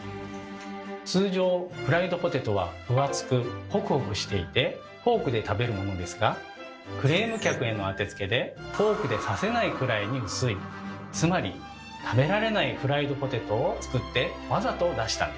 通常フライドポテトは分厚くホクホクしていてフォークで食べるものですがクレーム客への当てつけでフォークで刺せないくらいに薄いつまりこれでも食ってろ。